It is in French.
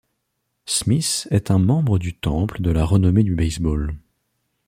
Smith est un membre du Temple de la renommée du baseball.